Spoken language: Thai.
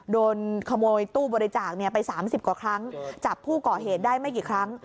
โดนขโมยตู้บริจาคไป๓๐กว่าครั้งจับผู้ก่อเหตุได้ไม่กี่ครั้ง